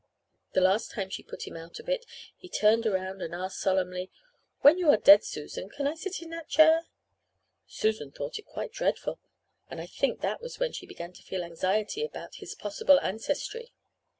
The last time she put him out of it he turned around and asked solemnly, 'When you are dead, Susan, can I sit in that chair?' Susan thought it quite dreadful, and I think that was when she began to feel anxiety about his possible ancestry.